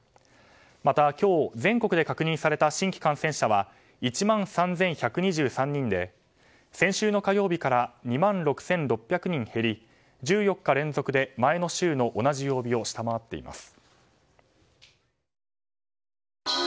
また今日、全国で確認された新規感染者は１万３１２３人で先週の火曜日から２万６６００人減り１４日連続で前の週の同じ曜日を下回っています。